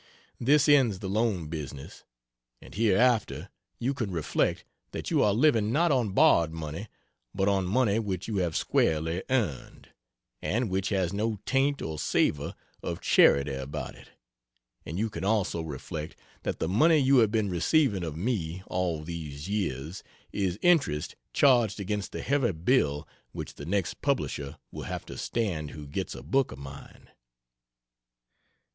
This ends the loan business; and hereafter you can reflect that you are living not on borrowed money but on money which you have squarely earned, and which has no taint or savor of charity about it and you can also reflect that the money you have been receiving of me all these years is interest charged against the heavy bill which the next publisher will have to stand who gets a book of mine.